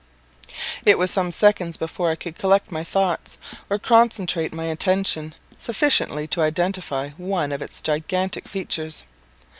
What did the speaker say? It was some seconds before I could collect my thoughts, or concentrate my attention sufficiently to identify one of its gigantic features.